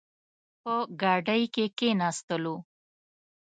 په ګاډۍ کې کښېناستلو.